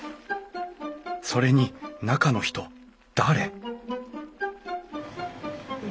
それに中の人誰？